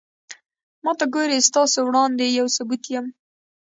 ما ته گورې ستاسو وړاندې يو ثبوت يم